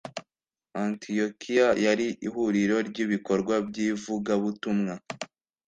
Antiyokiya yari ihuriro ry’ibikorwa by’ivugabutumwa